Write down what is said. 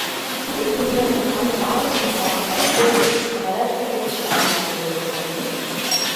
ދިވެހި ދުނިޔެއަށް މިފަންނު ތަޢާރުފްވުމުގައި ސަބަބުވެރިވީ ފަރާތްތަކެއްވެސް ފާހަގަކުރެވޭ ފަންނެއް